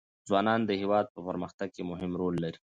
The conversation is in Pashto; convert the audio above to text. ځوانان د هېواد په پرمختګ کې مهم رول لري.